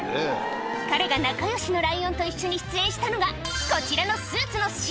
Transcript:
彼が仲よしのライオンと一緒に出演したのが、こちらのスーツのＣＭ。